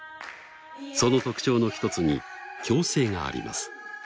その特徴のひとつに共生があります。